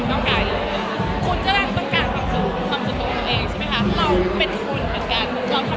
เพราะว่าถ้ามันทำลายเราเราอาจจะอบคลุมแล้วก็อบคลุมเถอะ